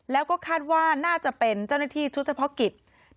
แล้วก็คาดว่าน่าจะเป็นเจ้าหน้าที่ชุดเฉพาะกิจ